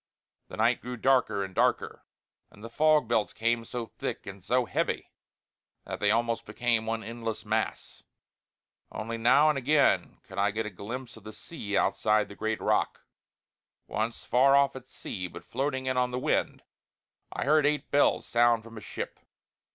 The night grew darker and darker; and the fog belts came so thick and so heavy that they almost became one endless mass. Only now and again could I get a glimpse of the sea outside the great rock. Once, far off out at sea but floating in on the wind, I heard eight bells sound from a ship.